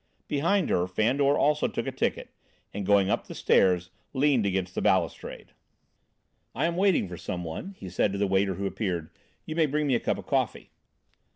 Behind her Fandor also took a ticket, and, going up the stairs, leaned against the balustrade. "I am waiting for some one," he said to the waiter who appeared. "You may bring me a cup of coffee."